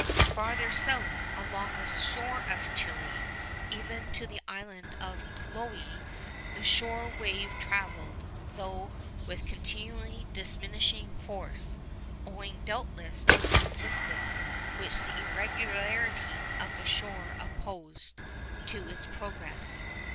Farther south, along the shore of Chili, even to the island of Chiloe, the shore wave travelled, though with continually diminishing force, owing doubtless to the resistance which the irregularities of the shore opposed to its progress.